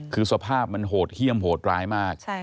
คือสภาพมันโหดเยี่ยมโหดร้ายมาก